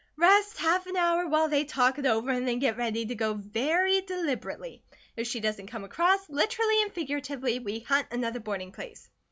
"Rest half an hour while they talk it over, and then get ready to go very deliberately. If she doesn't come across, literally and figuratively, we hunt another boarding place."